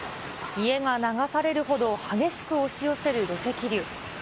家が流されるほど激しく押し寄せる土石流。